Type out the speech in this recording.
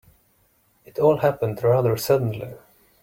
It all happened rather suddenly.